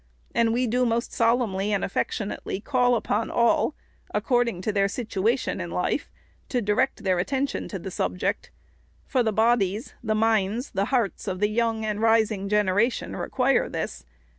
And we do most solemnly and affectionately call upon all, according to their situation in life, to direct their attention to the subject; for the bodies, the minds, the hearts of the young and rising generation require this.